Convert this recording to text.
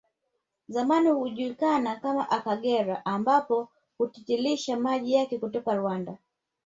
Zamani ukijulikana kama Akagera ambao hutiririsha maji yake kutoka Rwanda